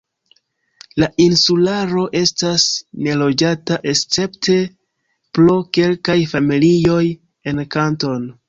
La insularo estas neloĝata escepte pro kelkaj familioj en Kanton.